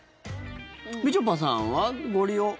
みちょぱさんはご利用。